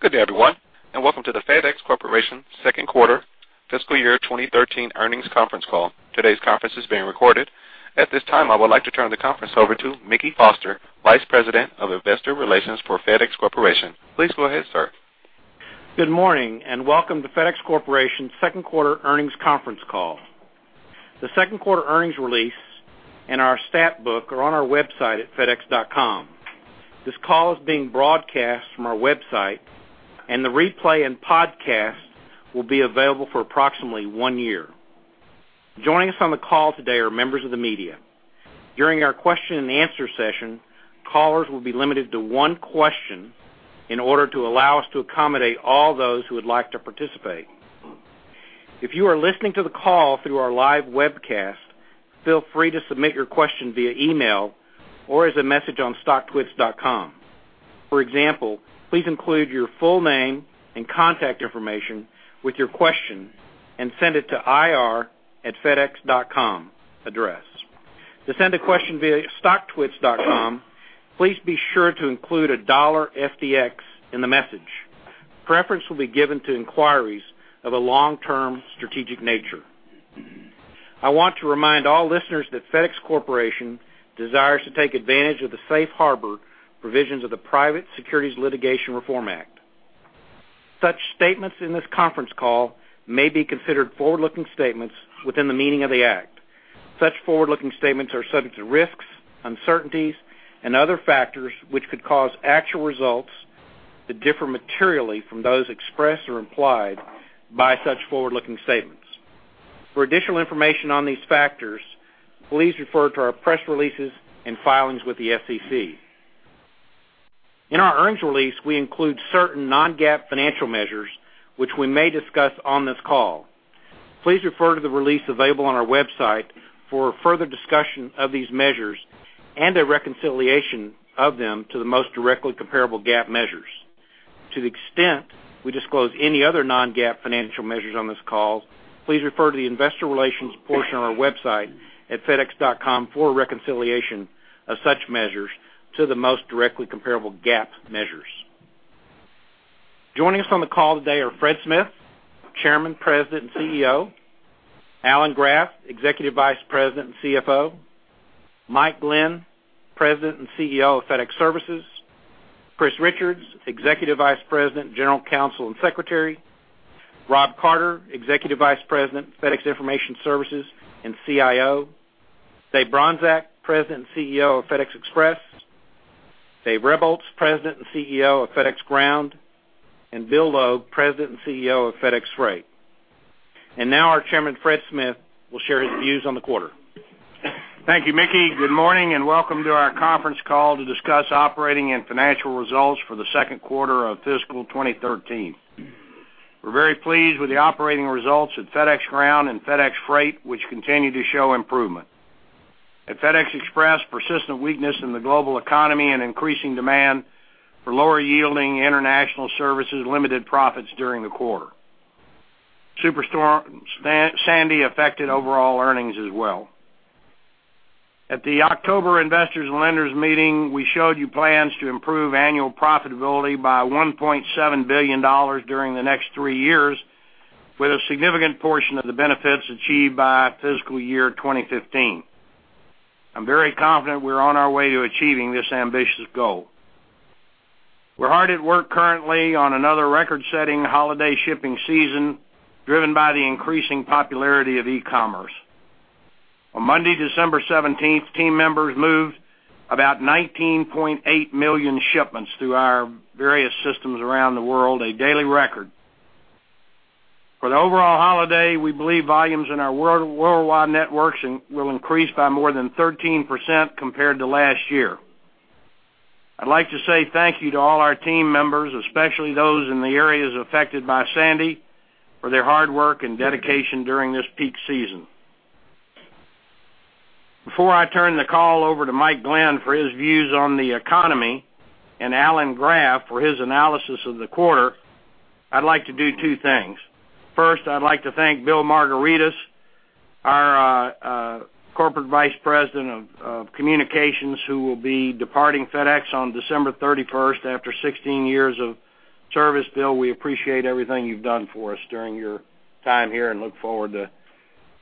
Good day, everyone, and welcome to the FedEx Corporation second quarter fiscal year 2013 earnings conference call. Today's conference is being recorded. At this time, I would like to turn the conference over to Mickey Foster, Vice President of Investor Relations for FedEx Corporation. Please go ahead, sir. Good morning and welcome to FedEx Corporation Second Quarter Earnings Conference Call. The second quarter earnings release and our stat book are on our website at fedex.com. This call is being broadcast from our website, and the replay and podcast will be available for approximately one year. Joining us on the call today are members of the media. During our question and answer session, callers will be limited to one question in order to allow us to accommodate all those who would like to participate. If you are listening to the call through our live webcast, feel free to submit your question via email or as a message on StockTwits.com. For example, please include your full name and contact information with your question and send it to ir@fedex.com address. To send a question via StockTwits.com, please be sure to include a $FDX in the message. Preference will be given to inquiries of a long-term strategic nature. I want to remind all listeners that FedEx Corporation desires to take advantage of the safe harbor provisions of the Private Securities Litigation Reform Act. Such statements in this conference call may be considered forward-looking statements within the meaning of the act. Such forward-looking statements are subject to risks, uncertainties, and other factors which could cause actual results to differ materially from those expressed or implied by such forward-looking statements. For additional information on these factors, please refer to our press releases and filings with the SEC. In our earnings release, we include certain non-GAAP financial measures which we may discuss on this call. Please refer to the release available on our website for further discussion of these measures and their reconciliation of them to the most directly comparable GAAP measures. To the extent we disclose any other non-GAAP financial measures on this call, please refer to the investor relations portion of our website at fedex.com for reconciliation of such measures to the most directly comparable GAAP measures. Joining us on the call today are Fred Smith, Chairman, President, and CEO, Alan Graf, Executive Vice President and CFO, Mike Glenn, President and CEO of FedEx Services, Chris Richards, Executive Vice President, General Counsel and Secretary, Rob Carter, Executive Vice President, FedEx Information Services and CIO, Dave Bronczek, President and CEO of FedEx Express, Dave Rebholz, President and CEO of FedEx Ground, and Bill Logue, President and CEO of FedEx Freight. Now our Chairman, Fred Smith, will share his views on the quarter. Thank you, Mickey. Good morning and welcome to our conference call to discuss operating and financial results for the second quarter of fiscal 2013. We're very pleased with the operating results at FedEx Ground and FedEx Freight, which continue to show improvement. At FedEx Express, persistent weakness in the global economy and increasing demand for lower yielding international services limited profits during the quarter. Superstorm Sandy affected overall earnings as well. At the October Investors and Lenders meeting, we showed you plans to improve annual profitability by $1.7 billion during the next three years, with a significant portion of the benefits achieved by fiscal year 2015. I'm very confident we're on our way to achieving this ambitious goal. We're hard at work currently on another record-setting holiday shipping season, driven by the increasing popularity of e-commerce. On Monday, December 17th, team members moved about 19.8 million shipments through our various systems around the world, a daily record. For the overall holiday, we believe volumes in our worldwide networks will increase by more than 13% compared to last year. I'd like to say thank you to all our team members, especially those in the areas affected by Sandy, for their hard work and dedication during this peak season. Before I turn the call over to Mike Glenn for his views on the economy and Alan Graf for his analysis of the quarter, I'd like to do two things. First, I'd like to thank Bill Margaritis, our Corporate Vice President of Communications, who will be departing FedEx on December 31st after 16 years of service. Bill, we appreciate everything you've done for us during your time here and look forward to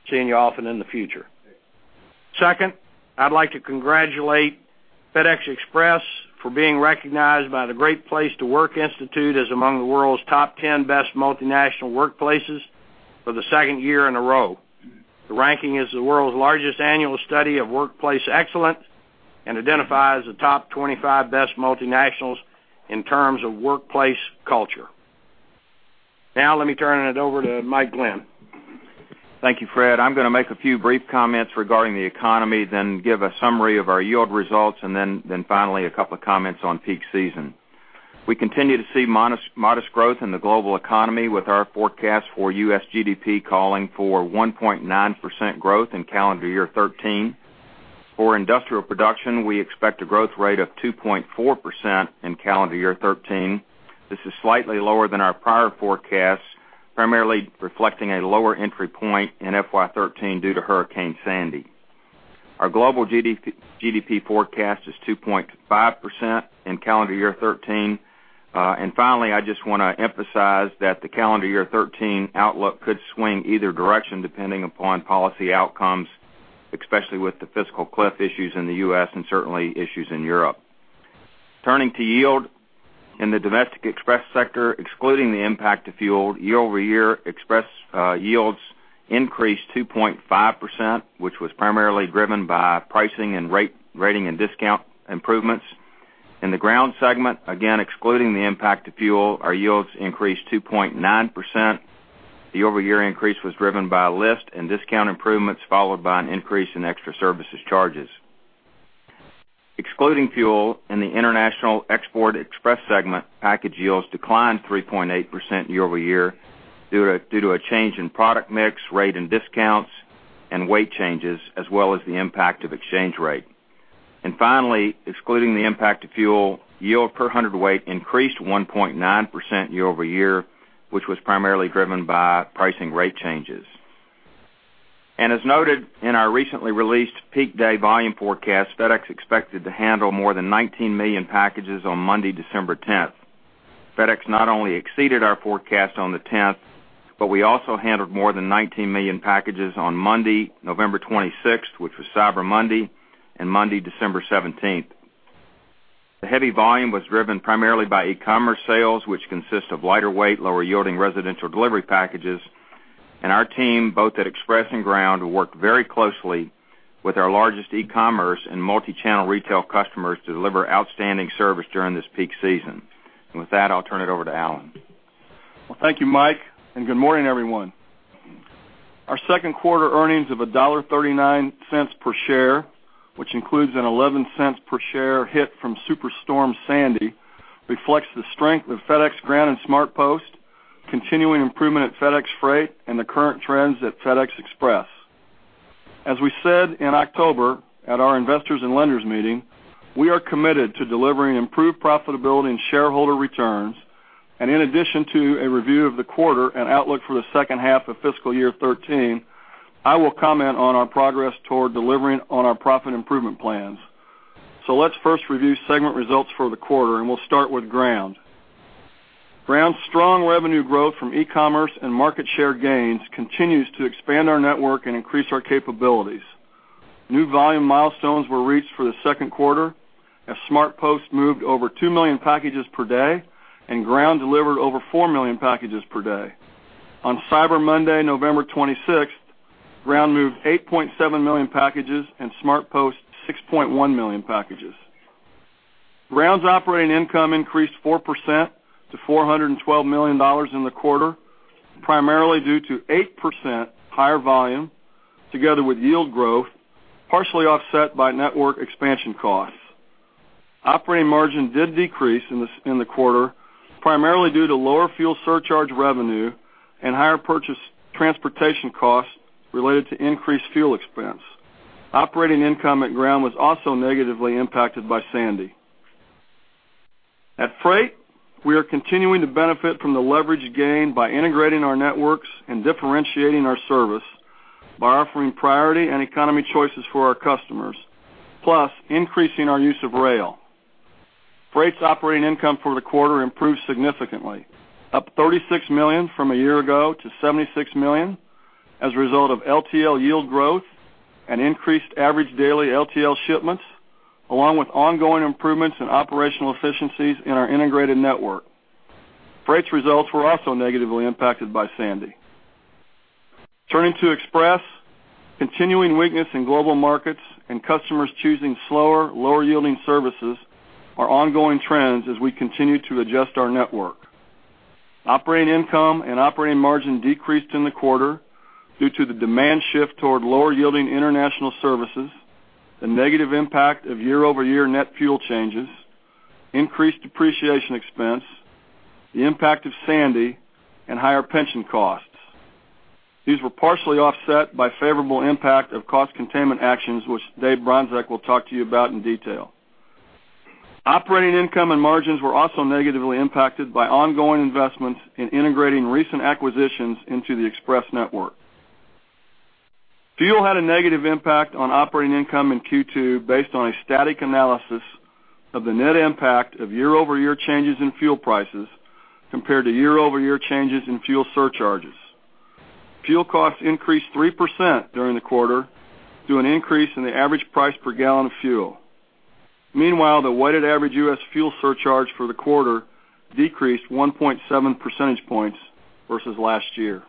seeing you often in the future. Second, I'd like to congratulate FedEx Express for being recognized by the Great Place to Work Institute as among the world's top 10 best multinational workplaces for the second year in a row. The ranking is the world's largest annual study of workplace excellence and identifies the top 25 best multinationals in terms of workplace culture. Now let me turn it over to Mike Glenn. Thank you, Fred. I'm going to make a few brief comments regarding the economy, then give a summary of our yield results, and then finally a couple of comments on peak season. We continue to see modest growth in the global economy with our forecast for U.S. GDP calling for 1.9% growth in calendar year 2013. For industrial production, we expect a growth rate of 2.4% in calendar year 2013. This is slightly lower than our prior forecasts, primarily reflecting a lower entry point in FY 2013 due to Hurricane Sandy. Our global GDP forecast is 2.5% in calendar year 2013. And finally, I just want to emphasize that the calendar year 2013 outlook could swing either direction depending upon policy outcomes, especially with the fiscal cliff issues in the U.S. and certainly issues in Europe. Turning to yield in the domestic express sector, excluding the impact of fuel, year-over-year express yields increased 2.5%, which was primarily driven by pricing and rating and discount improvements. In the ground segment, again excluding the impact of fuel, our yields increased 2.9%. The year-over-year increase was driven by list and discount improvements followed by an increase in extra services charges. Excluding the impact of fuel in the international export express segment, package yields declined 3.8% year-over-year due to a change in product mix, rate and discounts, and weight changes, as well as the impact of exchange rate. And finally, excluding the impact of fuel, yield per hundredweight increased 1.9% year-over-year, which was primarily driven by pricing rate changes. And as noted in our recently released peak day volume forecast, FedEx expected to handle more than 19 million packages on Monday, December 10th. FedEx not only exceeded our forecast on the 10th, but we also handled more than 19 million packages on Monday, November 26th, which was Cyber Monday, and Monday, December 17th. The heavy volume was driven primarily by e-commerce sales, which consist of lighter weight, lower yielding residential delivery packages. Our team, both at Express and Ground, worked very closely with our largest e-commerce and multi-channel retail customers to deliver outstanding service during this peak season. With that, I'll turn it over to Alan. Well, thank you, Mike, and good morning, everyone. Our second quarter earnings of $1.39 per share, which includes an $0.11 per share hit from Superstorm Sandy, reflects the strength of FedEx Ground and SmartPost, continuing improvement at FedEx Freight, and the current trends at FedEx Express. As we said in October at our Investors and Lenders meeting, we are committed to delivering improved profitability and shareholder returns. In addition to a review of the quarter and outlook for the second half of fiscal year 2013, I will comment on our progress toward delivering on our profit improvement plans. Let's first review segment results for the quarter, and we'll start with Ground. Ground's strong revenue growth from e-commerce and market share gains continues to expand our network and increase our capabilities. New volume milestones were reached for the second quarter as SmartPost moved over 2 million packages per day, and Ground delivered over 4 million packages per day. On Cyber Monday, November 26th, Ground moved 8.7 million packages and SmartPost 6.1 million packages. Ground's operating income increased 4% to $412 million in the quarter, primarily due to 8% higher volume together with yield growth, partially offset by network expansion costs. Operating margin did decrease in the quarter, primarily due to lower fuel surcharge revenue and higher purchased transportation costs related to increased fuel expense. Operating income at Ground was also negatively impacted by Sandy. At Freight, we are continuing to benefit from the leverage gained by integrating our networks and differentiating our service by offering priority and economy choices for our customers, plus increasing our use of rail. Freight's operating income for the quarter improved significantly, up $36 million from a year ago to $76 million as a result of LTL yield growth and increased average daily LTL shipments, along with ongoing improvements in operational efficiencies in our integrated network. Freight's results were also negatively impacted by Sandy. Turning to Express, continuing weakness in global markets and customers choosing slower, lower yielding services are ongoing trends as we continue to adjust our network. Operating income and operating margin decreased in the quarter due to the demand shift toward lower yielding international services, the negative impact of year-over-year net fuel changes, increased depreciation expense, the impact of Sandy, and higher pension costs. These were partially offset by favorable impact of cost containment actions, which Dave Bronczek will talk to you about in detail. Operating income and margins were also negatively impacted by ongoing investments in integrating recent acquisitions into the express network. Fuel had a negative impact on operating income in Q2 based on a static analysis of the net impact of year-over-year changes in fuel prices compared to year-over-year changes in fuel surcharges. Fuel costs increased 3% during the quarter through an increase in the average price per gallon of fuel. Meanwhile, the weighted average U.S. fuel surcharge for the quarter decreased 1.7 percentage points versus last year.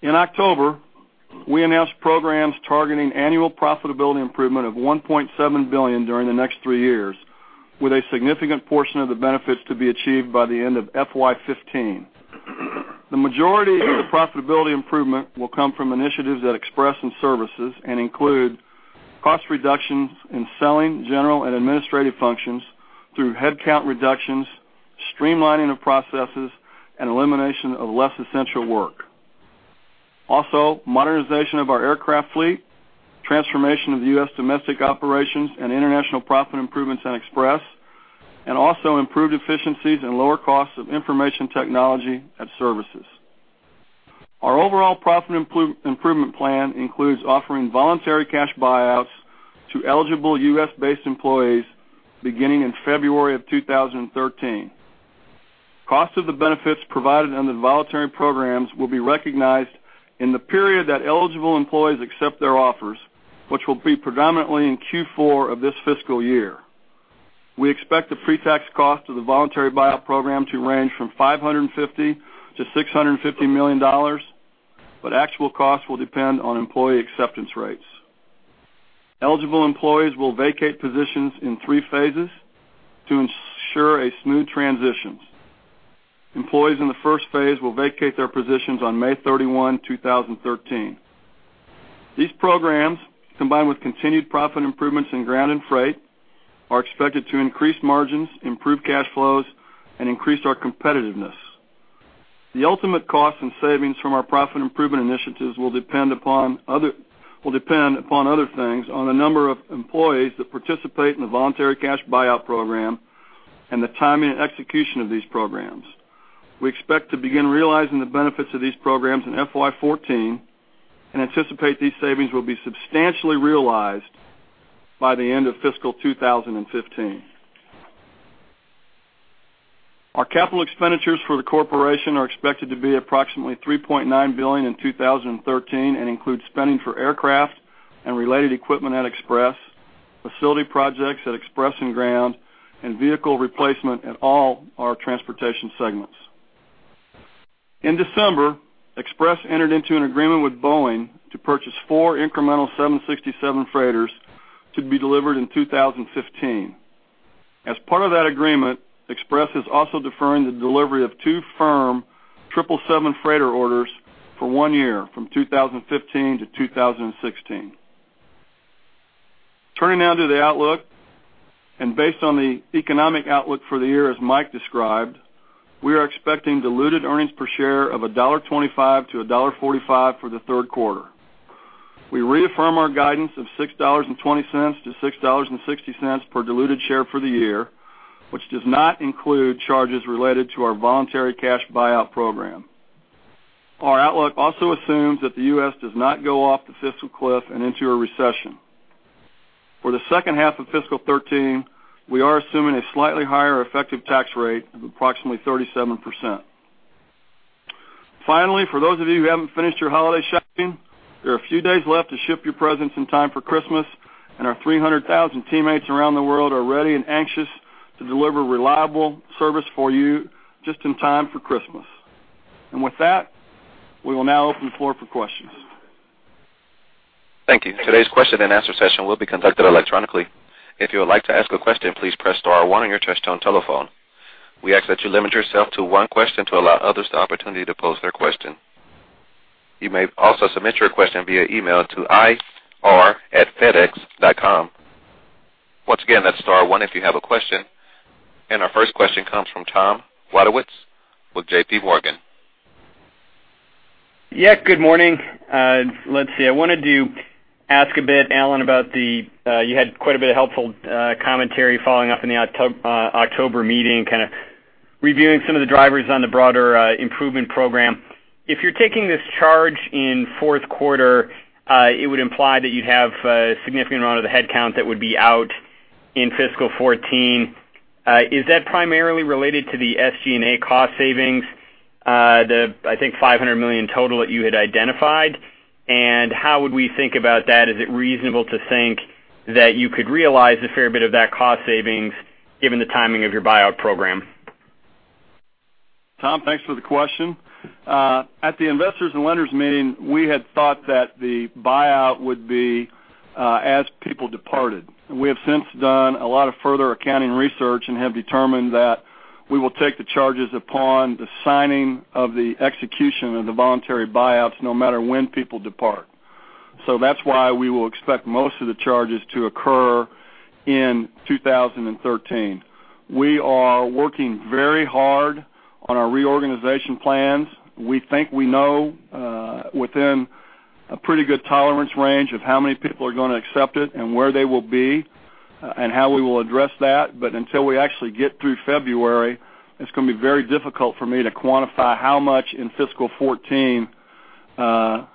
In October, we announced programs targeting annual profitability improvement of $1.7 billion during the next three years, with a significant portion of the benefits to be achieved by the end of FY 2015. The majority of the profitability improvement will come from initiatives at Express and Services and include cost reductions in selling, general, and administrative functions through headcount reductions, streamlining of processes, and elimination of less essential work. Also, modernization of our aircraft fleet, transformation of the U.S. domestic operations, and international profit improvements at Express, and also improved efficiencies and lower costs of information technology at Services. Our overall profit improvement plan includes offering voluntary cash buyouts to eligible U.S.-based employees beginning in February of 2013. Cost of the benefits provided under the voluntary programs will be recognized in the period that eligible employees accept their offers, which will be predominantly in Q4 of this fiscal year. We expect the pre-tax cost of the voluntary buyout program to range from $550-$650 million, but actual costs will depend on employee acceptance rates. Eligible employees will vacate positions in three phases to ensure a smooth transition. Employees in the first phase will vacate their positions on May 31, 2013. These programs, combined with continued profit improvements in ground and freight, are expected to increase margins, improve cash flows, and increase our competitiveness. The ultimate costs and savings from our profit improvement initiatives will depend upon other things on the number of employees that participate in the voluntary cash buyout program and the timing and execution of these programs. We expect to begin realizing the benefits of these programs in FY 2014 and anticipate these savings will be substantially realized by the end of fiscal 2015. Our capital expenditures for the corporation are expected to be approximately $3.9 billion in 2013 and include spending for aircraft and related equipment at Express, facility projects at Express and Ground, and vehicle replacement in all our transportation segments. In December, Express entered into an agreement with Boeing to purchase four incremental 767 freighters to be delivered in 2015. As part of that agreement, Express is also deferring the delivery of two firm 777 freighter orders for one year from 2015 to 2016. Turning now to the outlook, and based on the economic outlook for the year as Mike described, we are expecting diluted earnings per share of $1.25-$1.45 for the third quarter. We reaffirm our guidance of $6.20-$6.60 per diluted share for the year, which does not include charges related to our voluntary cash buyout program. Our outlook also assumes that the U.S. does not go off the Fiscal Cliff and into a recession. For the second half of fiscal 2013, we are assuming a slightly higher effective tax rate of approximately 37%. Finally, for those of you who haven't finished your holiday shopping, there are a few days left to ship your presents in time for Christmas, and our 300,000 teammates around the world are ready and anxious to deliver reliable service for you just in time for Christmas. With that, we will now open the floor for questions. Thank you. Today's question and answer session will be conducted electronically. If you would like to ask a question, please press star one on your touch-tone telephone. We ask that you limit yourself to one question to allow others the opportunity to pose their question. You may also submit your question via email to ir@fedex.com. Once again, that's star one if you have a question. Our first question comes from Tom Wadewitz with J.P. Morgan. Yep, good morning. Let's see. I wanted to ask a bit, Alan, about the you had quite a bit of helpful commentary following up in the October meeting, kind of reviewing some of the drivers on the broader improvement program. If you're taking this charge in fourth quarter, it would imply that you'd have a significant amount of the headcount that would be out in fiscal 2014. Is that primarily related to the SG&A cost savings, the, I think, $500 million total that you had identified? And how would we think about that? Is it reasonable to think that you could realize a fair bit of that cost savings given the timing of your buyout program? Tom, thanks for the question. At the Investors and Lenders meeting, we had thought that the buyout would be as people departed. We have since done a lot of further accounting research and have determined that we will take the charges upon the signing of the execution of the voluntary buyouts no matter when people depart. So that's why we will expect most of the charges to occur in 2013. We are working very hard on our reorganization plans. We think we know within a pretty good tolerance range of how many people are going to accept it and where they will be and how we will address that. But until we actually get through February, it's going to be very difficult for me to quantify how much in fiscal 2014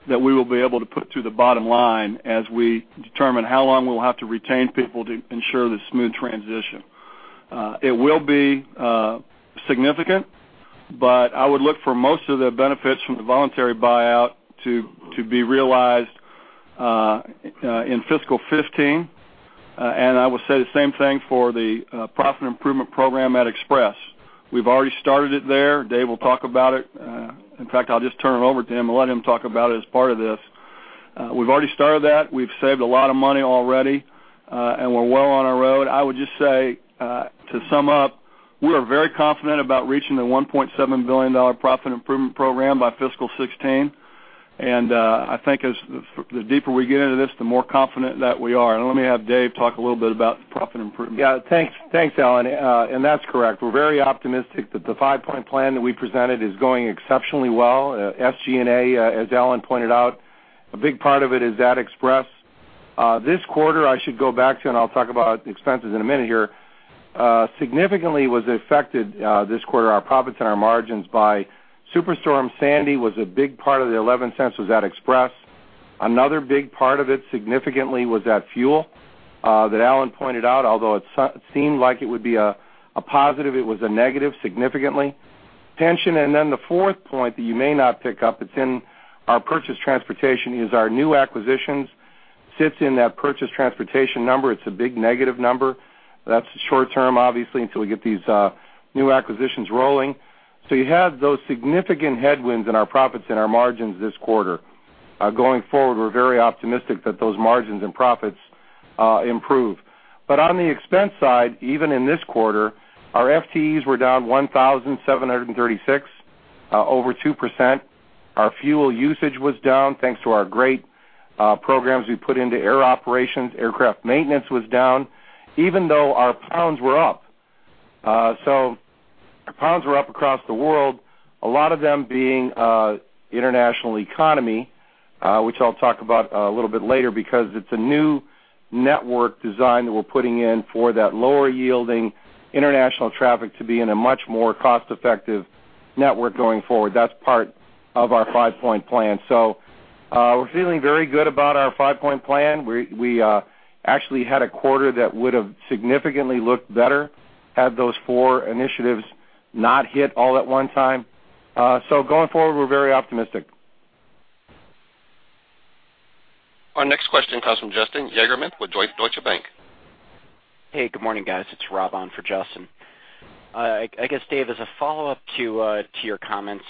that we will be able to put through the bottom line as we determine how long we'll have to retain people to ensure the smooth transition. It will be significant, but I would look for most of the benefits from the voluntary buyout to be realized in fiscal 2015. And I will say the same thing for the profit improvement program at Express. We've already started it there. Dave will talk about it. In fact, I'll just turn it over to him and let him talk about it as part of this. We've already started that. We've saved a lot of money already, and we're well on our road. I would just say to sum up, we're very confident about reaching the $1.7 billion profit improvement program by fiscal 2016. And I think the deeper we get into this, the more confident that we are. And let me have Dave talk a little bit about profit improvement. Yeah, thanks, Alan. And that's correct. We're very optimistic that the 5-point plan that we presented is going exceptionally well. SG&A, as Alan pointed out, a big part of it is at Express. This quarter, I should go back to, and I'll talk about expenses in a minute here, significantly was affected this quarter, our profits and our margins by Superstorm Sandy was a big part of the $0.11 was at Express. Another big part of it significantly was at fuel that Alan pointed out, although it seemed like it would be a positive, it was a negative significantly. Pension, and then the fourth point that you may not pick up, it's in our purchased transportation, is our new acquisitions sits in that purchased transportation number. It's a big negative number. That's short-term, obviously, until we get these new acquisitions rolling. So you have those significant headwinds in our profits and our margins this quarter. Going forward, we're very optimistic that those margins and profits improve. But on the expense side, even in this quarter, our FTEs were down 1,736, over 2%. Our fuel usage was down thanks to our great programs we put into air operations. Aircraft maintenance was down, even though our pounds were up. So our pounds were up across the world, a lot of them being international economy, which I'll talk about a little bit later because it's a new network design that we're putting in for that lower-yielding international traffic to be in a much more cost-effective network going forward. That's part of our 5-point plan. So we're feeling very good about our 5-point plan. We actually had a quarter that would have significantly looked better had those 4 initiatives not hit all at one time. Going forward, we're very optimistic. Our next question comes from Justin Yagerman with Deutsche Bank. Hey, good morning, guys. It's Rob on for Justin. I guess, Dave, as a follow-up to your comments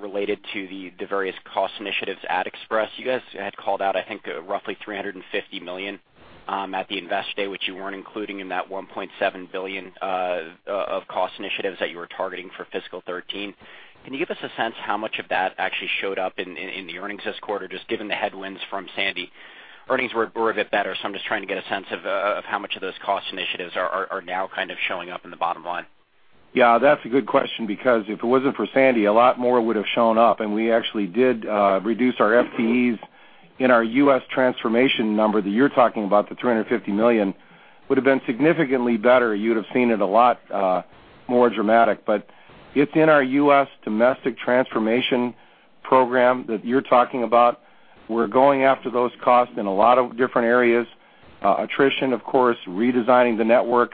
related to the various cost initiatives at Express, you guys had called out, I think, roughly $350 million at the invest day, which you weren't including in that $1.7 billion of cost initiatives that you were targeting for fiscal 2013. Can you give us a sense how much of that actually showed up in the earnings this quarter, just given the headwinds from Sandy? Earnings were a bit better, so I'm just trying to get a sense of how much of those cost initiatives are now kind of showing up in the bottom line. Yeah, that's a good question because if it wasn't for Sandy, a lot more would have shown up. And we actually did reduce our FTEs in our U.S. transformation number that you're talking about, the $350 million, would have been significantly better. You would have seen it a lot more dramatic. But it's in our U.S. domestic transformation program that you're talking about. We're going after those costs in a lot of different areas: attrition, of course, redesigning the network.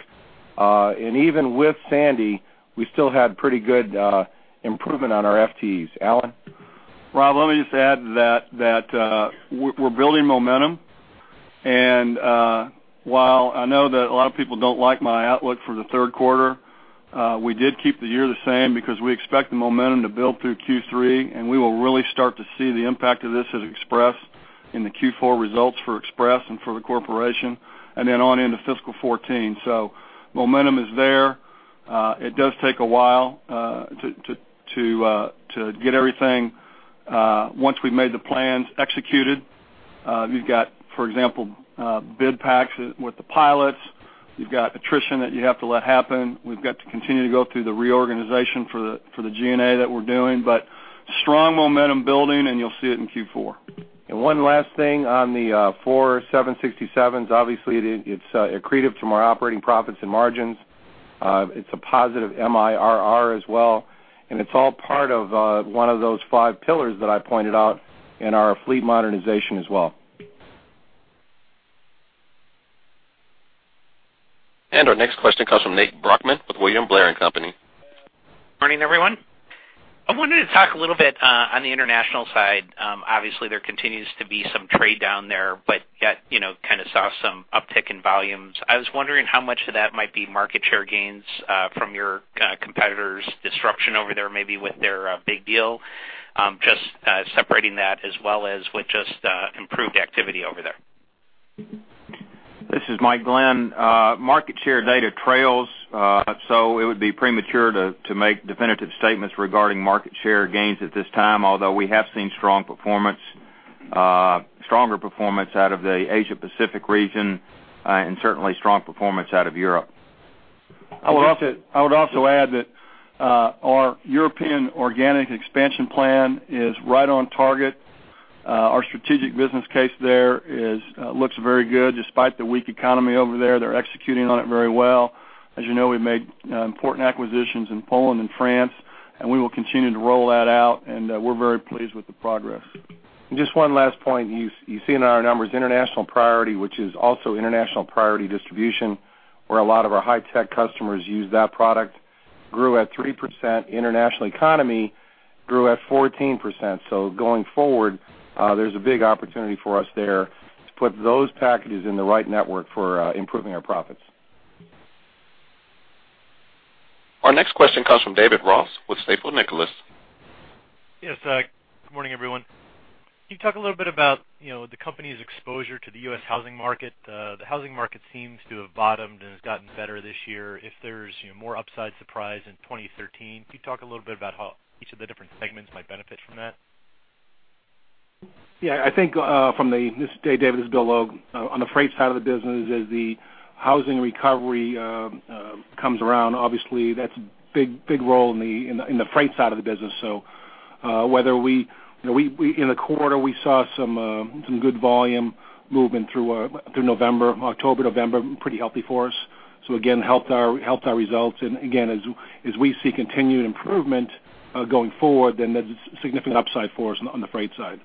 And even with Sandy, we still had pretty good improvement on our FTEs. Alan? Rob, let me just add that we're building momentum. And while I know that a lot of people don't like my outlook for the third quarter, we did keep the year the same because we expect the momentum to build through Q3, and we will really start to see the impact of this at Express in the Q4 results for Express and for the corporation, and then on into fiscal 2014. So momentum is there. It does take a while to get everything once we've made the plans executed. You've got, for example, bid packs with the pilots. You've got attrition that you have to let happen. We've got to continue to go through the reorganization for the G&A that we're doing. But strong momentum building, and you'll see it in Q4. One last thing on the 4 767s. Obviously, it's accretive to our operating profits and margins. It's a positive MIRR as well. It's all part of one of those 5 pillars that I pointed out in our fleet modernization as well. Our next question comes from Nate Brochmann with William Blair and Company. Morning, everyone. I wanted to talk a little bit on the international side. Obviously, there continues to be some trade down there, but yet kind of saw some uptick in volumes. I was wondering how much of that might be market share gains from your competitors' disruption over there, maybe with their big deal, just separating that as well as with just improved activity over there? This is Mike Glenn. Market share data trails, so it would be premature to make definitive statements regarding market share gains at this time, although we have seen strong performance, stronger performance out of the Asia-Pacific region, and certainly strong performance out of Europe. I would also add that our European organic expansion plan is right on target. Our strategic business case there looks very good despite the weak economy over there. They're executing on it very well. As you know, we've made important acquisitions in Poland and France, and we will continue to roll that out. And we're very pleased with the progress. Just one last point. You see in our numbers International Priority, which is also International Priority Distribution, where a lot of our high-tech customers use that product, grew at 3%. International Economy grew at 14%. So going forward, there's a big opportunity for us there to put those packages in the right network for improving our profits. Our next question comes from David Ross with Stifel Nicolaus. Yes, good morning, everyone. Can you talk a little bit about the company's exposure to the U.S. housing market? The housing market seems to have bottomed and has gotten better this year. If there's more upside surprise in 2013, can you talk a little bit about how each of the different segments might benefit from that? Yeah, I think from the Dave, this is Bill Logue. On the freight side of the business, as the housing recovery comes around, obviously, that's a big role in the freight side of the business. So whether we in the quarter, we saw some good volume movement through November, October, November, pretty healthy for us. So again, helped our results. And again, as we see continued improvement going forward, then there's significant upside for us on the freight side.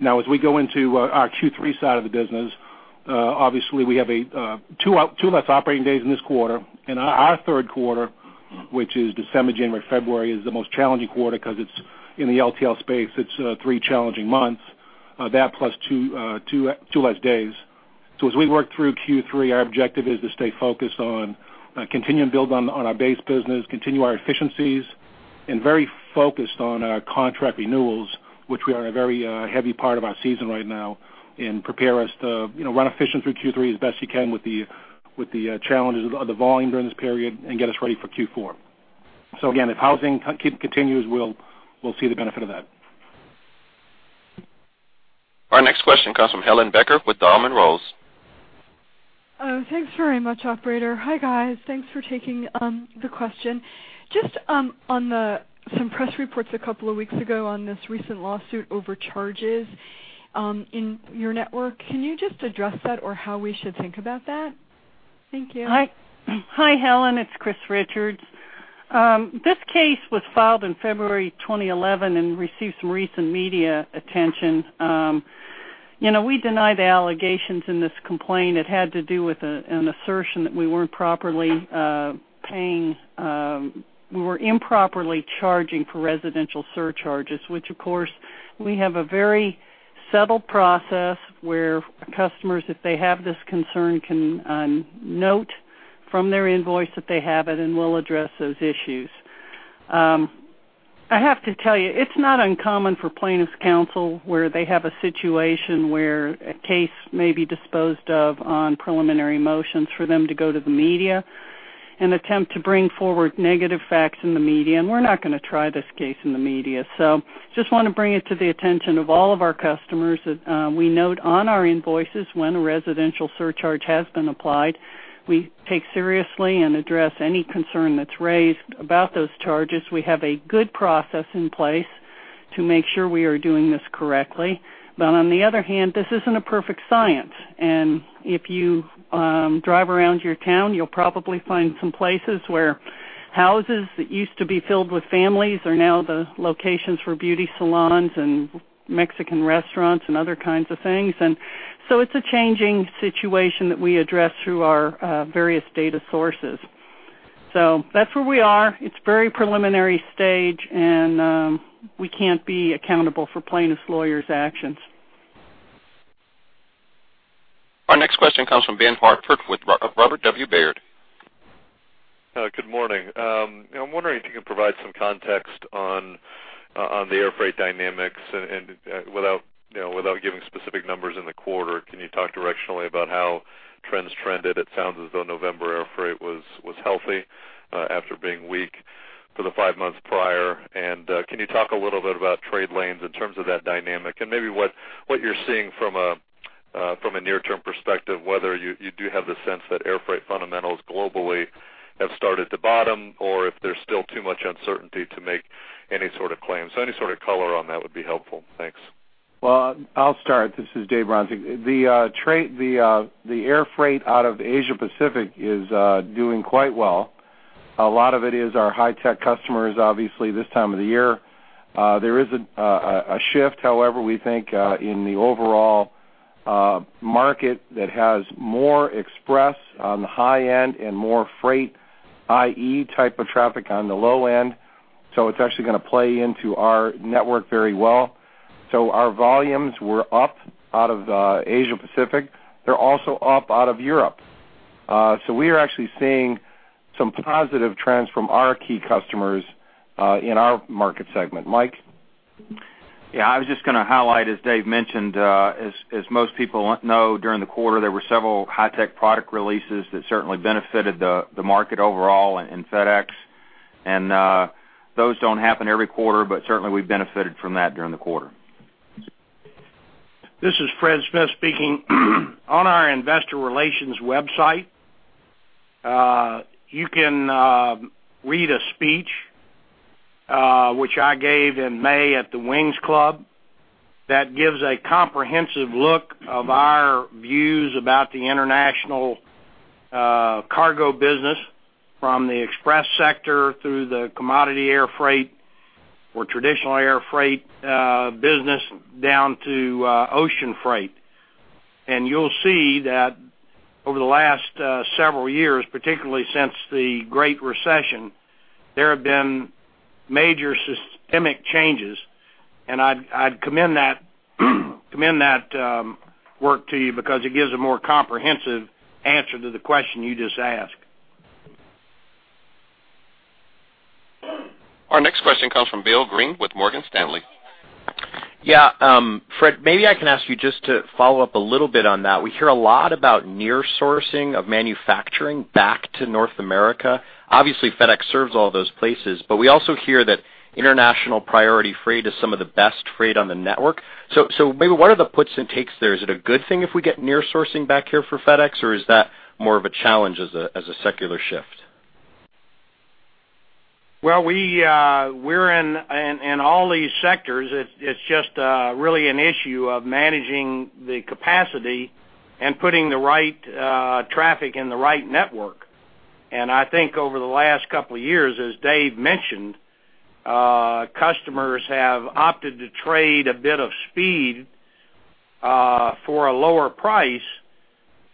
Now, as we go into our Q3 side of the business, obviously, we have two less operating days in this quarter. And our third quarter, which is December, January, February, is the most challenging quarter because it's in the LTL space. It's three challenging months, that plus two less days. So as we work through Q3, our objective is to stay focused on continuing to build on our base business, continue our efficiencies, and very focused on our contract renewals, which we are in a very heavy part of our season right now, and prepare us to run efficient through Q3 as best you can with the challenges of the volume during this period and get us ready for Q4. So again, if housing continues, we'll see the benefit of that. Our next question comes from Helane Becker with Dahlman Rose. Thanks very much, operator. Hi, guys. Thanks for taking the question. Just on some press reports a couple of weeks ago on this recent lawsuit over charges in your network, can you just address that or how we should think about that? Thank you. Hi, Helen. It's Chris Richards. This case was filed in February 2011 and received some recent media attention. We deny the allegations in this complaint. It had to do with an assertion that we weren't properly paying. We were improperly charging for residential surcharges, which, of course, we have a very settled process where customers, if they have this concern, can note from their invoice that they have it, and we'll address those issues. I have to tell you, it's not uncommon for plaintiff's counsel where they have a situation where a case may be disposed of on preliminary motions for them to go to the media and attempt to bring forward negative facts in the media. We're not going to try this case in the media. So just want to bring it to the attention of all of our customers that we note on our invoices when a residential surcharge has been applied. We take seriously and address any concern that's raised about those charges. We have a good process in place to make sure we are doing this correctly. But on the other hand, this isn't a perfect science. And if you drive around your town, you'll probably find some places where houses that used to be filled with families are now the locations for beauty salons and Mexican restaurants and other kinds of things. And so it's a changing situation that we address through our various data sources. So that's where we are. It's very preliminary stage, and we can't be accountable for plaintiff's lawyers' actions. Our next question comes from Ben Hartford with Robert W. Baird. Good morning. I'm wondering if you can provide some context on the air freight dynamics. Without giving specific numbers in the quarter, can you talk directionally about how trends trended? It sounds as though November air freight was healthy after being weak for the five months prior. Can you talk a little bit about trade lanes in terms of that dynamic? Maybe what you're seeing from a near-term perspective, whether you do have the sense that air freight fundamentals globally have started to bottom or if there's still too much uncertainty to make any sort of claim? Any sort of color on that would be helpful. Thanks. Well, I'll start. This is Dave Bronczek. The air freight out of Asia-Pacific is doing quite well. A lot of it is our high-tech customers, obviously, this time of the year. There is a shift, however, we think, in the overall market that has more Express on the high end and more freight, i.e., type of traffic on the low end. So it's actually going to play into our network very well. So our volumes were up out of Asia-Pacific. They're also up out of Europe. So we are actually seeing some positive trends from our key customers in our market segment. Mike. Yeah, I was just going to highlight, as Dave mentioned, as most people know, during the quarter, there were several high-tech product releases that certainly benefited the market overall and FedEx. Those don't happen every quarter, but certainly, we benefited from that during the quarter. This is Fred Smith speaking. On our investor relations website, you can read a speech which I gave in May at the Wings Club that gives a comprehensive look of our views about the international cargo business from the Express sector through the commodity air freight or traditional air freight business down to ocean freight. And you'll see that over the last several years, particularly since the Great Recession, there have been major systemic changes. And I'd commend that work to you because it gives a more comprehensive answer to the question you just asked. Our next question comes from Bill Greene with Morgan Stanley. Yeah, Fred, maybe I can ask you just to follow up a little bit on that. We hear a lot about near-sourcing of manufacturing back to North America. Obviously, FedEx serves all those places, but we also hear that international priority freight is some of the best freight on the network. So maybe what are the puts and takes there? Is it a good thing if we get near-sourcing back here for FedEx, or is that more of a challenge as a secular shift? Well, we're in all these sectors. It's just really an issue of managing the capacity and putting the right traffic in the right network. And I think over the last couple of years, as Dave mentioned, customers have opted to trade a bit of speed for a lower price.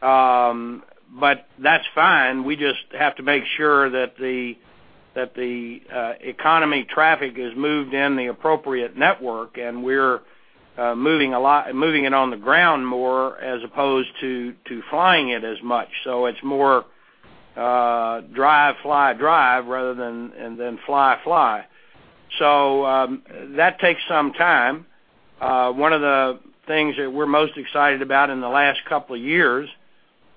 But that's fine. We just have to make sure that the economy traffic is moved in the appropriate network. And we're moving it on the ground more as opposed to flying it as much. So it's more drive, fly, drive rather than fly, fly. So that takes some time. One of the things that we're most excited about in the last couple of years,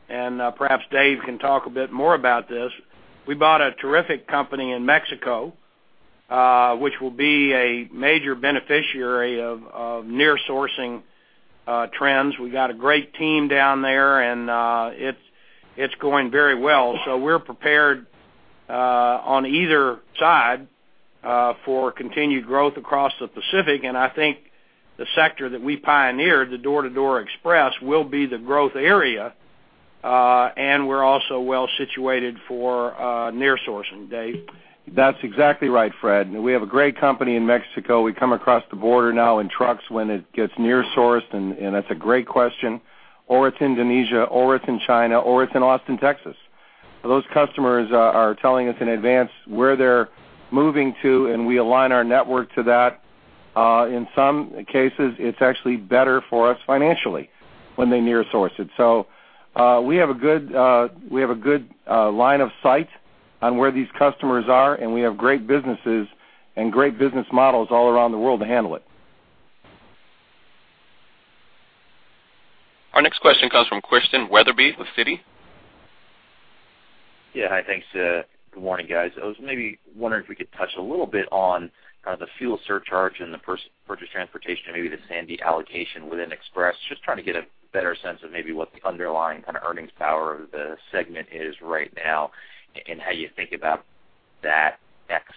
and perhaps Dave can talk a bit more about this, we bought a terrific company in Mexico, which will be a major beneficiary of near-sourcing trends. We got a great team down there, and it's going very well. So we're prepared on either side for continued growth across the Pacific. And I think the sector that we pioneered, the door-to-door Express, will be the growth area. And we're also well situated for near-sourcing, Dave. That's exactly right, Fred. We have a great company in Mexico. We come across the border now in trucks when it gets near-sourced, and that's a great question. Or it's Indonesia, or it's in China, or it's in Austin, Texas. Those customers are telling us in advance where they're moving to, and we align our network to that. In some cases, it's actually better for us financially when they near-source it. So we have a good line of sight on where these customers are, and we have great businesses and great business models all around the world to handle it. Our next question comes from Christian Wetherbee with Citi. Yeah, hi, thanks. Good morning, guys. I was maybe wondering if we could touch a little bit on kind of the fuel surcharge and the purchased transportation, maybe the Sandy allocation within Express. Just trying to get a better sense of maybe what the underlying kind of earnings power of the segment is right now and how you think about that,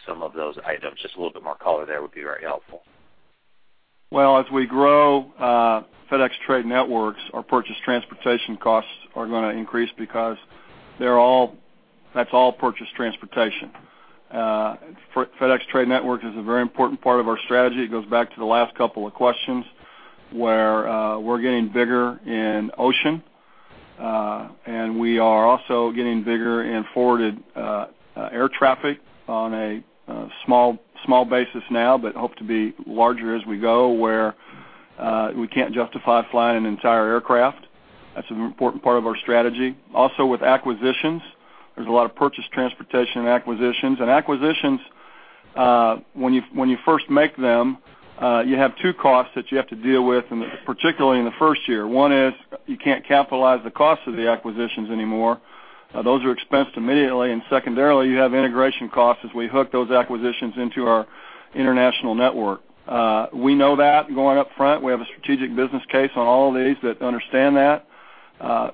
some of those items. Just a little bit more color there would be very helpful. Well, as we grow, FedEx Trade Networks, our purchased transportation costs are going to increase because that's all purchased transportation. FedEx Trade Networks is a very important part of our strategy. It goes back to the last couple of questions where we're getting bigger in ocean, and we are also getting bigger in forwarded air traffic on a small basis now, but hope to be larger as we go where we can't justify flying an entire aircraft. That's an important part of our strategy. Also, with acquisitions, there's a lot of purchase transportation and acquisitions. And acquisitions, when you first make them, you have two costs that you have to deal with, particularly in the first year. One is you can't capitalize the cost of the acquisitions anymore. Those are expensed immediately. And secondarily, you have integration costs as we hook those acquisitions into our international network. We know that going upfront. We have a strategic business case on all of these that understand that.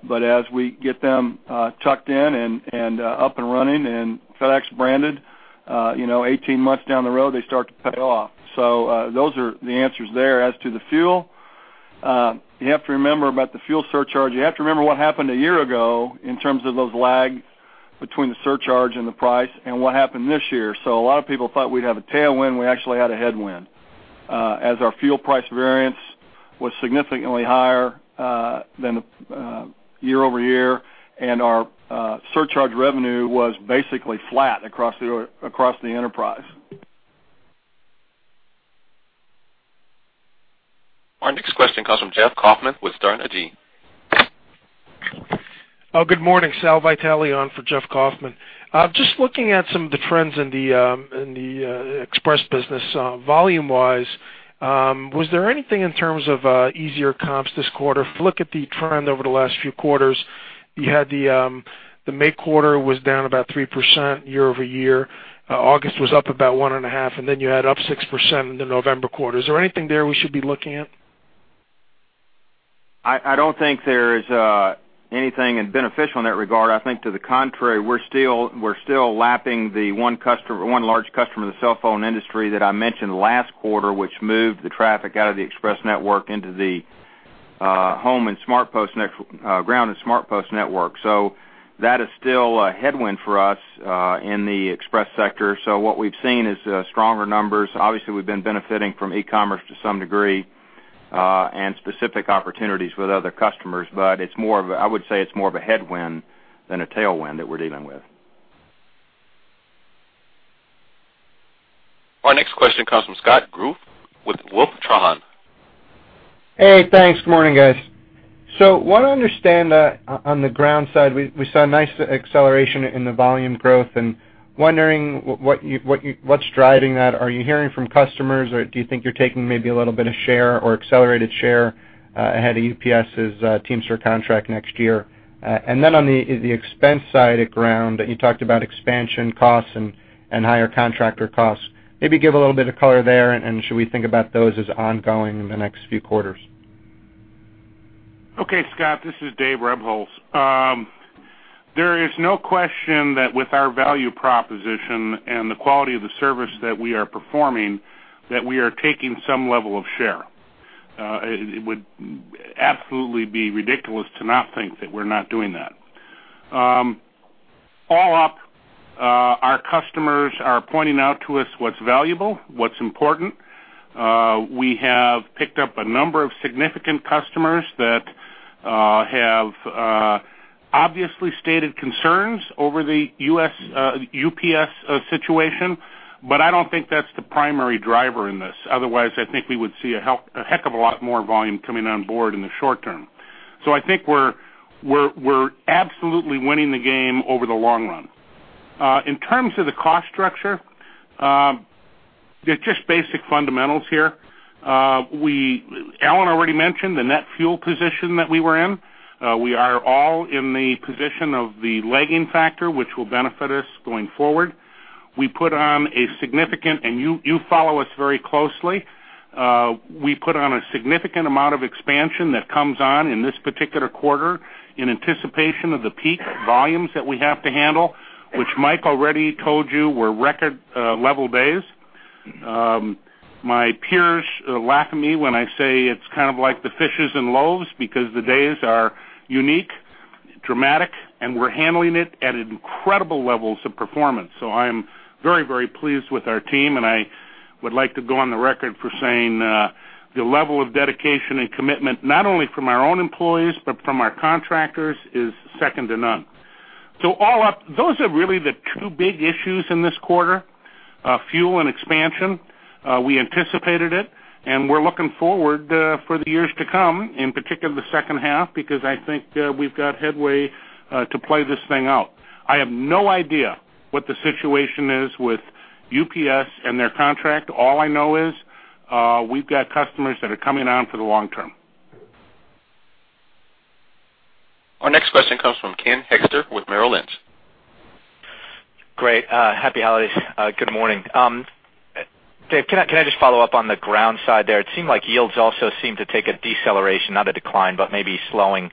But as we get them tucked in and up and running and FedEx branded, 18 months down the road, they start to pay off. So those are the answers there as to the fuel. You have to remember about the fuel surcharge. You have to remember what happened a year ago in terms of those lags between the surcharge and the price and what happened this year. So a lot of people thought we'd have a tailwind. We actually had a headwind as our fuel price variance was significantly higher than year-over-year, and our surcharge revenue was basically flat across the enterprise. Our next question comes from Jeffrey Kauffman with Sterne Agee. Good morning. Sal Vitale on for Jeffrey Kauffman. Just looking at some of the trends in the Express business volume-wise, was there anything in terms of easier comps this quarter? Look at the trend over the last few quarters. You had the May quarter was down about 3% year-over-year. August was up about 1.5%, and then you had up 6% in the November quarter. Is there anything there we should be looking at? I don't think there is anything beneficial in that regard. I think, to the contrary, we're still lapping the one large customer in the cell phone industry that I mentioned last quarter, which moved the traffic out of the Express network into the home and SmartPost network. So that is still a headwind for us in the Express sector. So what we've seen is stronger numbers. Obviously, we've been benefiting from e-commerce to some degree and specific opportunities with other customers. But I would say it's more of a headwind than a tailwind that we're dealing with. Our next question comes from Scott Group with Wolfe Trahan & Co. Hey, thanks. Good morning, guys. So I want to understand on the Ground side, we saw a nice acceleration in the volume growth. And wondering what's driving that. Are you hearing from customers, or do you think you're taking maybe a little bit of share or accelerated share ahead of UPS's Teamsters contract next year? And then on the expense side at Ground, you talked about expansion costs and higher contractor costs. Maybe give a little bit of color there, and should we think about those as ongoing in the next few quarters? Okay, Scott, this is Dave Rebholz. There is no question that with our value proposition and the quality of the service that we are performing, that we are taking some level of share. It would absolutely be ridiculous to not think that we're not doing that. All up, our customers are pointing out to us what's valuable, what's important. We have picked up a number of significant customers that have obviously stated concerns over the UPS situation, but I don't think that's the primary driver in this. Otherwise, I think we would see a heck of a lot more volume coming on board in the short term. So I think we're absolutely winning the game over the long run. In terms of the cost structure, there's just basic fundamentals here. Alan already mentioned the net fuel position that we were in. We are all in the position of the legging factor, which will benefit us going forward. We put on a significant, and you follow us very closely, we put on a significant amount of expansion that comes on in this particular quarter in anticipation of the peak volumes that we have to handle, which Mike already told you were record-level days. My peers laugh at me when I say it's kind of like the fishes and loaves because the days are unique, dramatic, and we're handling it at incredible levels of performance. So I'm very, very pleased with our team, and I would like to go on the record for saying the level of dedication and commitment, not only from our own employees, but from our contractors, is second to none. So all up, those are really the two big issues in this quarter: fuel and expansion. We anticipated it, and we're looking forward for the years to come, in particular the second half, because I think we've got headway to play this thing out. I have no idea what the situation is with UPS and their contract. All I know is we've got customers that are coming on for the long term. Our next question comes from Ken Hoexter with Merrill Lynch. Great. Happy holidays. Good morning. Dave, can I just follow up on the ground side there? It seemed like yields also seem to take a deceleration, not a decline, but maybe slowing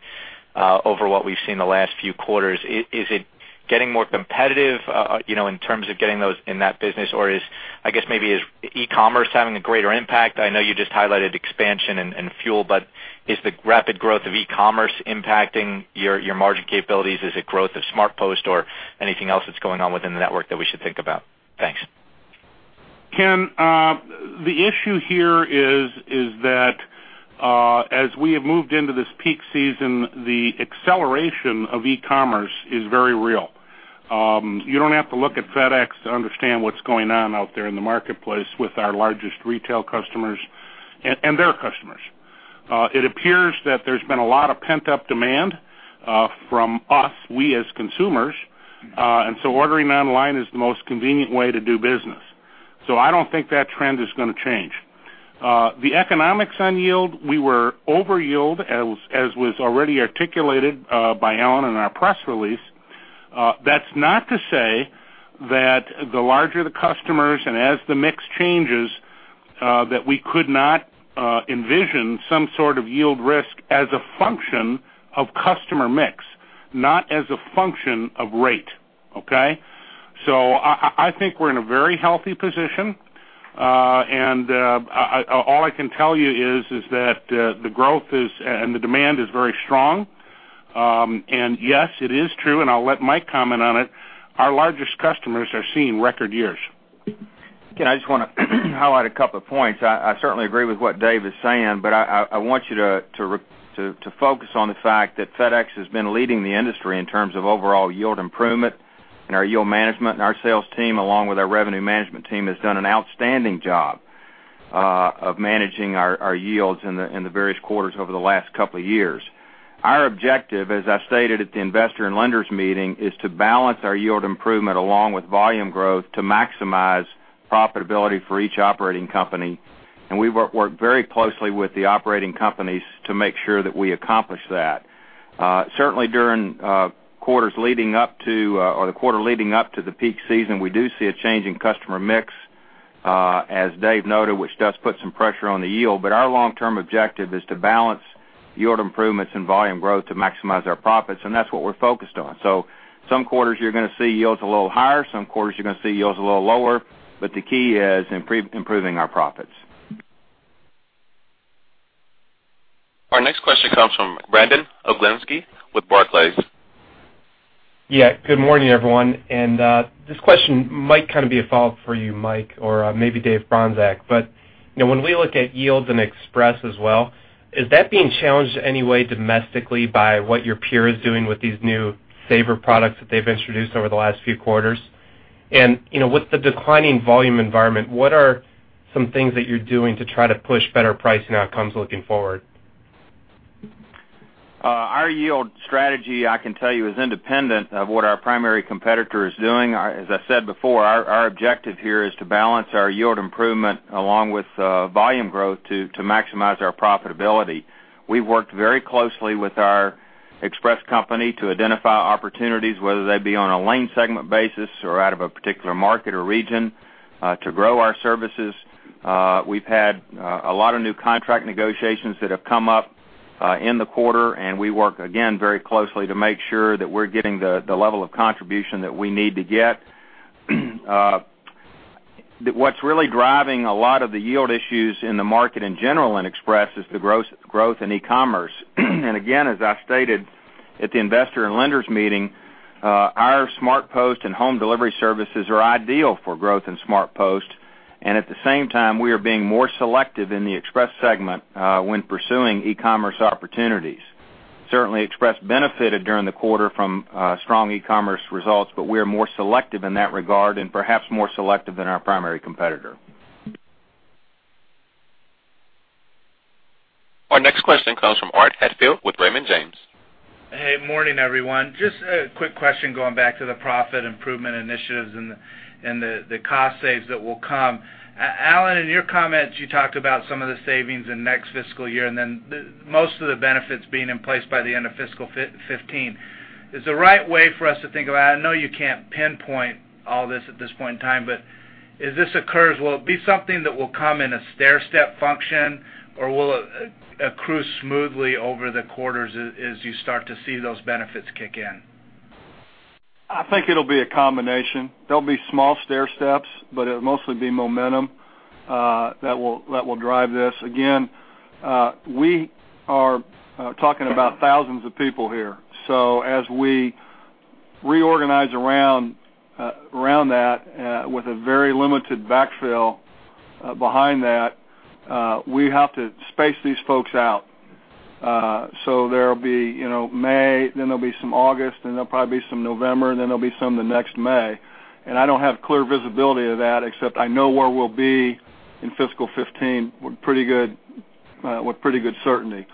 over what we've seen the last few quarters. Is it getting more competitive in terms of getting those in that business, or is, I guess, maybe is e-commerce having a greater impact? I know you just highlighted expansion and fuel, but is the rapid growth of e-commerce impacting your margin capabilities? Is it growth of SmartPost or anything else that's going on within the network that we should think about? Thanks. Ken, the issue here is that as we have moved into this peak season, the acceleration of e-commerce is very real. You don't have to look at FedEx to understand what's going on out there in the marketplace with our largest retail customers and their customers. It appears that there's been a lot of pent-up demand from us, we as consumers, and so ordering online is the most convenient way to do business. So I don't think that trend is going to change. The economics on yield, we were over yield, as was already articulated by Alan in our press release. That's not to say that the larger the customers and as the mix changes, that we could not envision some sort of yield risk as a function of customer mix, not as a function of rate. Okay? I think we're in a very healthy position, and all I can tell you is that the growth and the demand is very strong. Yes, it is true, and I'll let Mike comment on it. Our largest customers are seeing record years. Ken, I just want to highlight a couple of points. I certainly agree with what Dave is saying, but I want you to focus on the fact that FedEx has been leading the industry in terms of overall yield improvement, and our yield management and our sales team, along with our revenue management team, has done an outstanding job of managing our yields in the various quarters over the last couple of years. Our objective, as I stated at the investor and lenders meeting, is to balance our yield improvement along with volume growth to maximize profitability for each operating company. We work very closely with the operating companies to make sure that we accomplish that. Certainly, during quarters leading up to or the quarter leading up to the peak season, we do see a change in customer mix, as Dave noted, which does put some pressure on the yield. But our long-term objective is to balance yield improvements and volume growth to maximize our profits, and that's what we're focused on. So some quarters you're going to see yields a little higher. Some quarters you're going to see yields a little lower. But the key is improving our profits. Our next question comes from Brandon Oglensky with Barclays. Yeah. Good morning, everyone. This question might kind of be a follow-up for you, Mike, or maybe Dave Bronczek. When we look at yields in Express as well, is that being challenged in any way domestically by what your peer is doing with these new favorite products that they've introduced over the last few quarters? With the declining volume environment, what are some things that you're doing to try to push better pricing outcomes looking forward? Our yield strategy, I can tell you, is independent of what our primary competitor is doing. As I said before, our objective here is to balance our yield improvement along with volume growth to maximize our profitability. We've worked very closely with our Express company to identify opportunities, whether they be on a lane segment basis or out of a particular market or region, to grow our services. We've had a lot of new contract negotiations that have come up in the quarter, and we work, again, very closely to make sure that we're getting the level of contribution that we need to get. What's really driving a lot of the yield issues in the market in general in Express is the growth in e-commerce. And again, as I stated at the investor and lenders meeting, our SmartPost and Home Delivery services are ideal for growth in SmartPost. At the same time, we are being more selective in the Express segment when pursuing e-commerce opportunities. Certainly, Express benefited during the quarter from strong e-commerce results, but we are more selective in that regard and perhaps more selective than our primary competitor. Our next question comes from Art Hatfield with Raymond James. Hey, morning, everyone. Just a quick question going back to the profit improvement initiatives and the cost savings that will come. Alan, in your comments, you talked about some of the savings in next fiscal year and then most of the benefits being in place by the end of fiscal 2015. Is the right way for us to think about (I know you can't pinpoint all this at this point in time) but as this occurs, will it be something that will come in a stairstep function, or will it accrue smoothly over the quarters as you start to see those benefits kick in? I think it'll be a combination. There'll be small stairsteps, but it'll mostly be momentum that will drive this. Again, we are talking about thousands of people here. So as we reorganize around that with a very limited backfill behind that, we have to space these folks out. So there'll be May, then there'll be some August, then there'll probably be some November, then there'll be some the next May. I don't have clear visibility of that, except I know where we'll be in fiscal 2015 with pretty good certainty.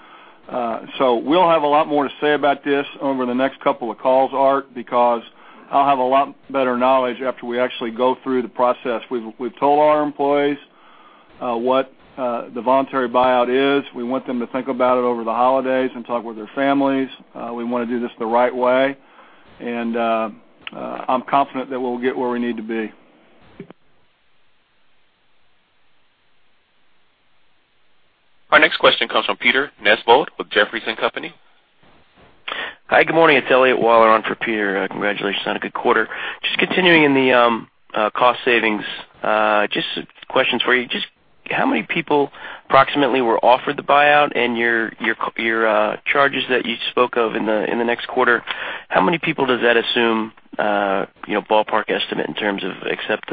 So we'll have a lot more to say about this over the next couple of calls, Art, because I'll have a lot better knowledge after we actually go through the process. We've told all our employees what the voluntary buyout is. We want them to think about it over the holidays and talk with their families. We want to do this the right way. I'm confident that we'll get where we need to be. Our next question comes from Peter Nesvold with Jefferies & Company. Hi, good morning. It's Elliot Waller on for Peter. Congratulations on a good quarter. Just continuing in the cost savings, just questions for you. Just how many people approximately were offered the buyout and your charges that you spoke of in the next quarter? How many people does that assume? Ballpark estimate in terms of accept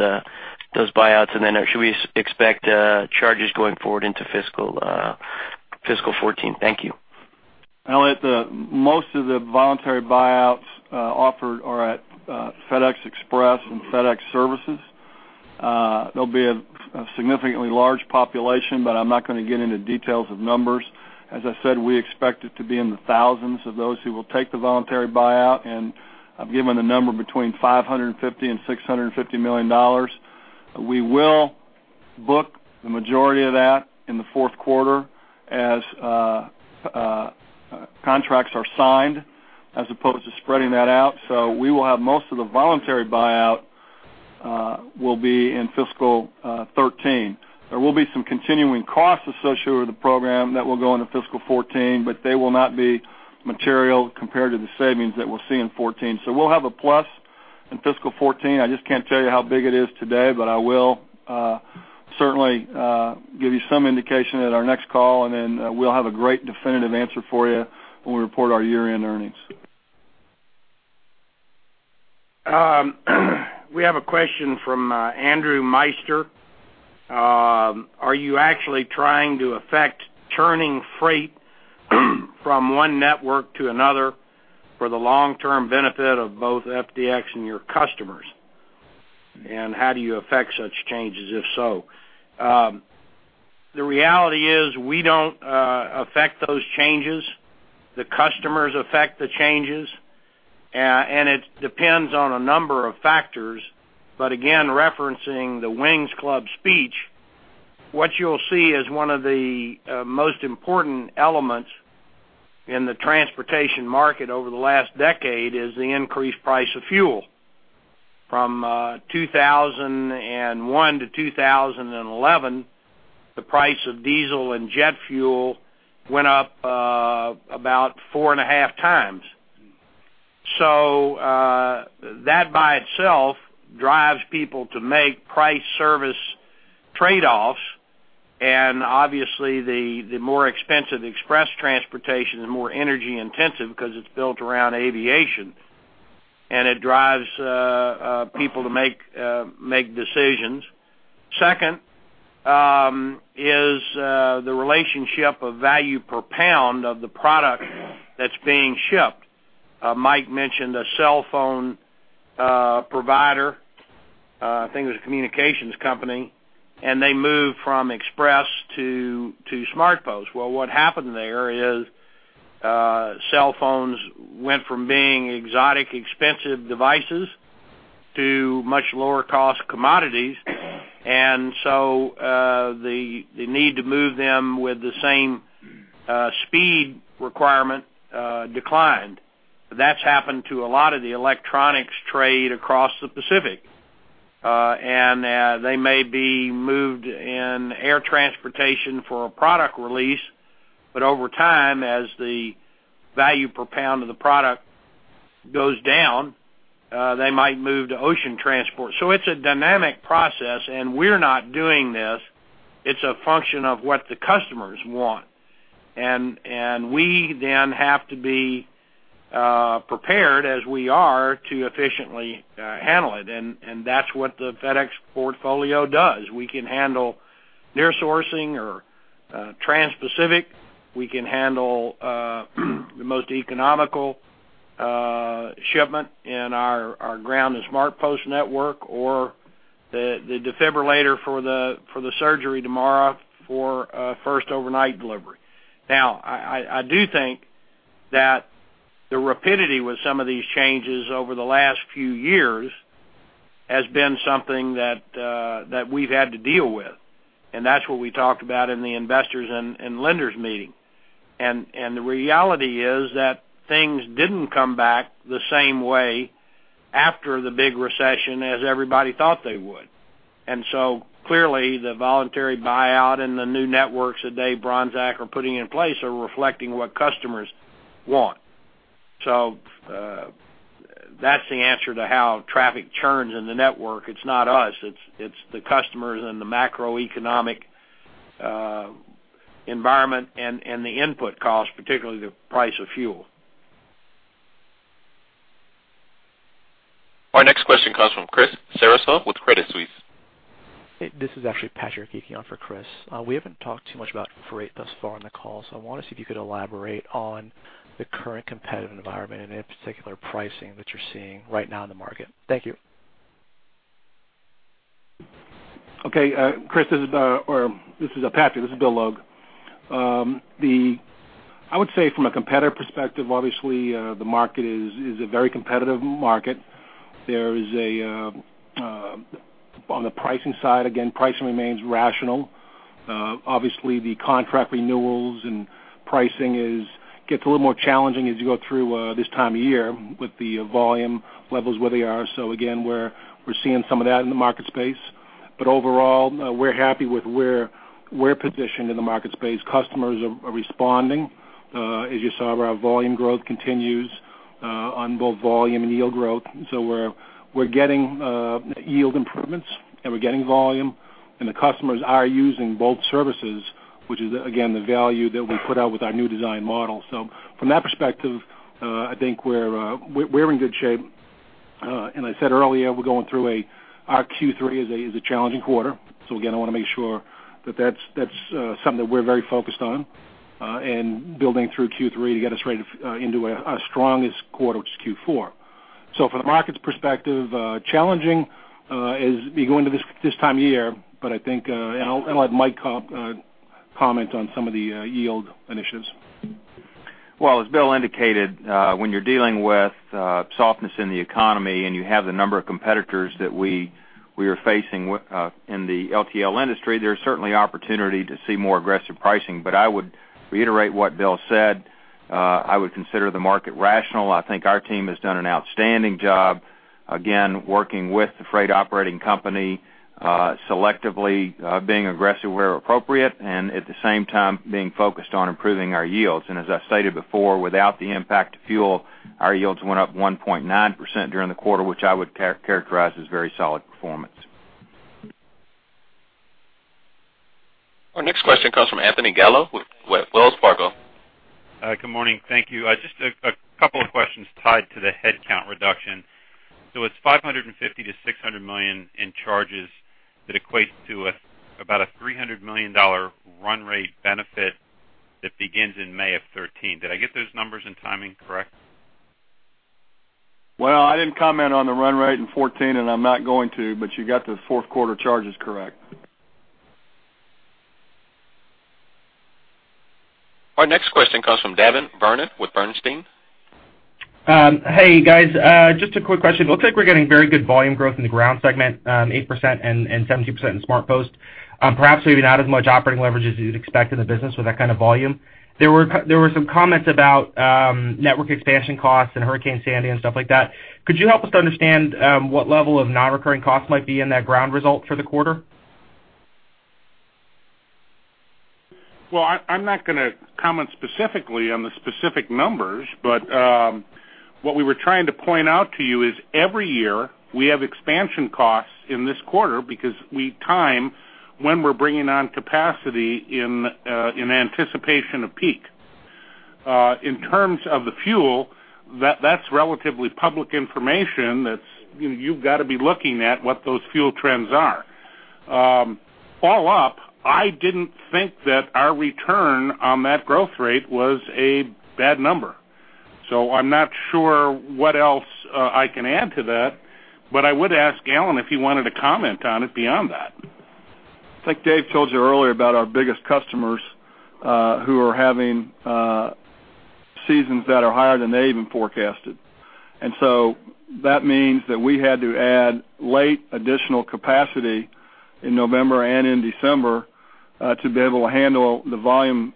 those buyouts, and then should we expect charges going forward into fiscal 2014? Thank you. Elliot, most of the voluntary buyouts offered are at FedEx Express and FedEx Services. There'll be a significantly large population, but I'm not going to get into details of numbers. As I said, we expect it to be in the thousands of those who will take the voluntary buyout, and I've given the number between $550-$650 million. We will book the majority of that in the fourth quarter as contracts are signed as opposed to spreading that out. So we will have most of the voluntary buyout will be in fiscal 2013. There will be some continuing costs associated with the program that will go into fiscal 2014, but they will not be material compared to the savings that we'll see in 2014. So we'll have a plus in fiscal 2014. I just can't tell you how big it is today, but I will certainly give you some indication at our next call, and then we'll have a great definitive answer for you when we report our year-end earnings. We have a question from Andrew Meister. Are you actually trying to affect turning freight from one network to another for the long-term benefit of both FDX and your customers? And how do you affect such changes, if so? The reality is we don't affect those changes. The customers affect the changes, and it depends on a number of factors. But again, referencing the Wings Club speech, what you'll see as one of the most important elements in the transportation market over the last decade is the increased price of fuel. From 2001 to 2011, the price of diesel and jet fuel went up about four and a half times. So that by itself drives people to make price-service trade-offs. And obviously, the more expensive Express transportation is more energy-intensive because it's built around aviation, and it drives people to make decisions. Second is the relationship of value per pound of the product that's being shipped. Mike mentioned a cell phone provider. I think it was a communications company, and they moved from Express to SmartPost. Well, what happened there is cell phones went from being exotic, expensive devices to much lower-cost commodities. And so the need to move them with the same speed requirement declined. That's happened to a lot of the electronics trade across the Pacific. And they may be moved in air transportation for a product release, but over time, as the value per pound of the product goes down, they might move to ocean transport. So it's a dynamic process, and we're not doing this. It's a function of what the customers want. And we then have to be prepared, as we are, to efficiently handle it. And that's what the FedEx portfolio does. We can handle near-sourcing or trans-Pacific. We can handle the most economical shipment in our Ground and SmartPost network or the defibrillator for the surgery tomorrow for First Overnight delivery. Now, I do think that the rapidity with some of these changes over the last few years has been something that we've had to deal with. And that's what we talked about in the Investors and Lenders Meeting. And the reality is that things didn't come back the same way after the big recession as everybody thought they would. And so clearly, the voluntary buyout and the new networks that Dave Bronczek is putting in place are reflecting what customers want. So that's the answer to how traffic churns in the network. It's not us. It's the customers and the macroeconomic environment and the input cost, particularly the price of fuel. Our next question comes from Chris Ceraso with Credit Suisse. This is actually Patrick Creuset on for Chris. We haven't talked too much about freight thus far on the call, so I want to see if you could elaborate on the current competitive environment and any particular pricing that you're seeing right now in the market? Thank you. Okay. Chris, this is Patrick. This is Bill Logue. I would say from a competitive perspective, obviously, the market is a very competitive market. There is a on the pricing side, again, pricing remains rational. Obviously, the contract renewals and pricing gets a little more challenging as you go through this time of year with the volume levels where they are. So again, we're seeing some of that in the market space. But overall, we're happy with where we're positioned in the market space. Customers are responding. As you saw, our volume growth continues on both volume and yield growth. So we're getting yield improvements, and we're getting volume. And the customers are using both services, which is, again, the value that we put out with our new design model. So from that perspective, I think we're in good shape. I said earlier, we're going through, our Q3 is a challenging quarter. So again, I want to make sure that that's something that we're very focused on and building through Q3 to get us right into our strongest quarter, which is Q4. So from the market's perspective, challenging as we go into this time of year, but I think, and I'll let Mike comment on some of the yield initiatives. Well, as Bill indicated, when you're dealing with softness in the economy and you have the number of competitors that we are facing in the LTL industry, there's certainly opportunity to see more aggressive pricing. But I would reiterate what Bill said. I would consider the market rational. I think our team has done an outstanding job, again, working with the freight operating company selectively, being aggressive where appropriate, and at the same time, being focused on improving our yields. And as I stated before, without the impact to fuel, our yields went up 1.9% during the quarter, which I would characterize as very solid performance. Our next question comes from Anthony Gallo with Wells Fargo. Good morning. Thank you. Just a couple of questions tied to the headcount reduction. It's $550 million-$600 million in charges that equates to about a $300 million run rate benefit that begins in May of 2013. Did I get those numbers and timing correct? Well, I didn't comment on the run rate in 2014, and I'm not going to, but you got the fourth quarter charges correct. Our next question comes from David Vernon with Bernstein. Hey, guys. Just a quick question. It looks like we're getting very good volume growth in the ground segment, 8% and 17% in SmartPost. Perhaps maybe not as much operating leverage as you'd expect in the business with that kind of volume. There were some comments about network expansion costs and Hurricane Sandy and stuff like that. Could you help us to understand what level of non-recurring costs might be in that ground result for the quarter? Well, I'm not going to comment specifically on the specific numbers, but what we were trying to point out to you is every year we have expansion costs in this quarter because we time when we're bringing on capacity in anticipation of peak. In terms of the fuel, that's relatively public information that you've got to be looking at what those fuel trends are. All up, I didn't think that our return on that growth rate was a bad number. So I'm not sure what else I can add to that, but I would ask Alan if he wanted to comment on it beyond that. I think Dave told you earlier about our biggest customers who are having seasons that are higher than they even forecasted. And so that means that we had to add late additional capacity in November and in December to be able to handle the volume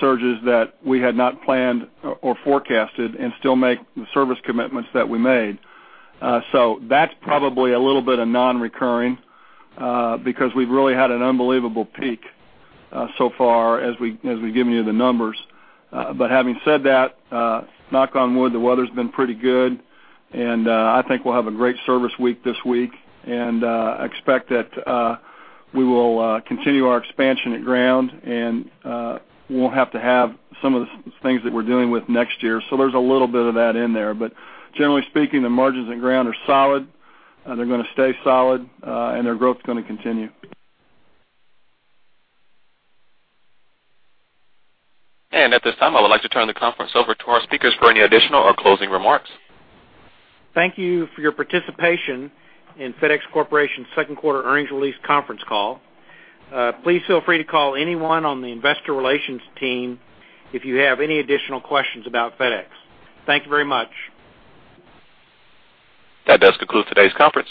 surges that we had not planned or forecasted and still make the service commitments that we made. So that's probably a little bit of non-recurring because we've really had an unbelievable peak so far as we've given you the numbers. But having said that, knock on wood, the weather's been pretty good, and I think we'll have a great service week this week. And I expect that we will continue our expansion at ground, and we'll have to have some of the things that we're dealing with next year. So there's a little bit of that in there. But generally speaking, the margins at ground are solid. They're going to stay solid, and their growth is going to continue. At this time, I would like to turn the conference over to our speakers for any additional or closing remarks. Thank you for your participation in FedEx Corporation's second quarter earnings release conference call. Please feel free to call anyone on the investor relations team if you have any additional questions about FedEx. Thank you very much. That does conclude today's conference.